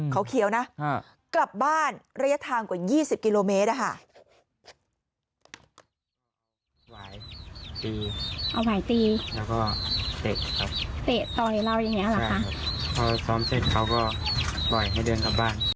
เขาเขียวนะกลับบ้านระยะทางกว่า๒๐กิโลเมตรอะค่ะ